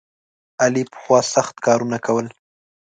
علي پخوا سخت کارونه کول.